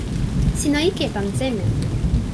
sina ike tan seme?